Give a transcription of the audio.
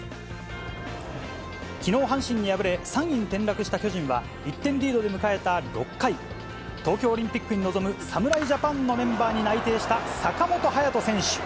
きのう阪神に敗れ、３位に転落した巨人は１点リードで迎えた６回、東京オリンピックに臨む侍ジャパンのメンバーに内定した坂本勇人選手。